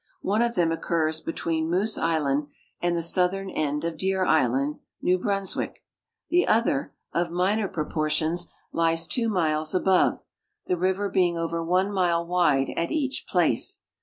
One of them occurs between Moose island and the southern end of Deer island, New Brunswick ; the other, of minor propor tions, lies two miles above, the river being over one mile wide at each place.